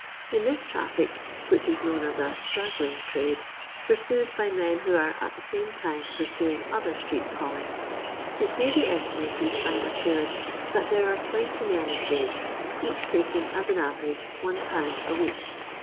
In this traffic, which is known as a "straggling" trade, poianed by men who are at the same time ninaing other street^lings, it may be estimated, 1 am assured, that there are 20 men engaged, each taking as an average 1/. a week.